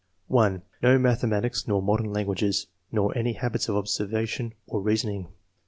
(1) "No mathematics nor modern languages, nor any habits of observation or reasoning."